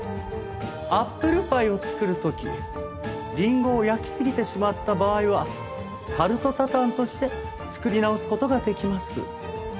アップルパイを作る時リンゴを焼きすぎてしまった場合はタルトタタンとして作り直す事ができます。